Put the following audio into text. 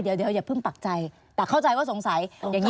เดี๋ยวอย่าเพิ่มปักใจแต่เข้าใจว่าสงสัย